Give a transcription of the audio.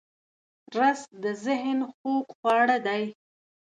رس د ذهن خوږ خواړه دی